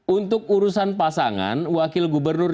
untuk urusan pasangan wakil gubernur